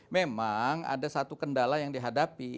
memang ada satu kendala yang dihadapi